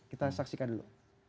kita saksikan dulu